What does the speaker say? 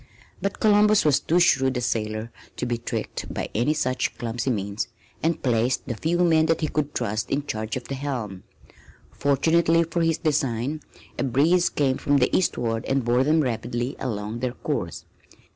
But Columbus was too shrewd a sailor to be tricked by any such clumsy means and placed the few men that he could trust in charge of the helm. Fortunately for his design a breeze came from the eastward and bore them rapidly along their course.